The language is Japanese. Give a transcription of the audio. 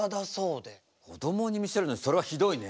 こどもに見せるのにそれはひどいね。